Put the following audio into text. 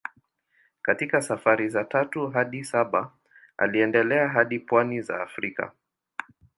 Katika safari za tatu hadi saba aliendelea hadi pwani za Afrika.